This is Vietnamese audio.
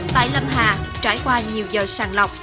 tại lâm hà trải qua nhiều giờ sàn lọc